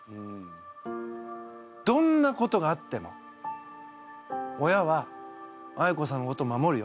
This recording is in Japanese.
どんなことがあっても親はあいこさんのことを守るよ。